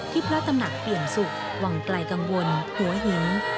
ที่พระตำหนักเปลี่ยนศุกร์วังไกลกังวลหัวหิง